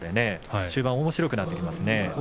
終盤おもしろくなってきますね。